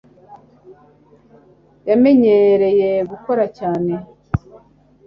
yamenyereye gukora cyane